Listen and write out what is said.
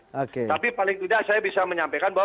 tapi paling tidak saya bisa menyampaikan bahwa